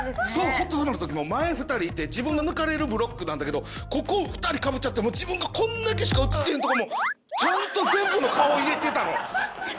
『ＮｏｔＡｌｏｎｅ』の時も前２人いて自分の抜かれるブロックなんだけどここ２人かぶっちゃって自分がこんだけしか映ってへんとこもちゃんと全部の顔入れてたの！